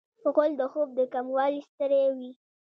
غول د خوب د کموالي ستړی وي.